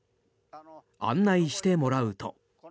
案内してもらうと。